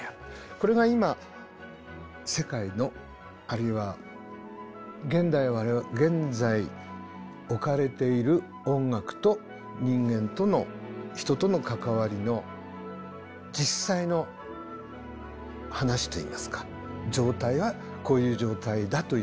これが今世界のあるいは現代現在置かれている音楽と人間との人との関わりの実際の話といいますか状態はこういう状態だということです。